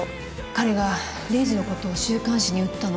彼がレイジのことを週刊誌に売ったの。